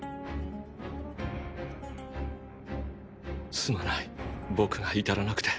すまない僕が至らなくて。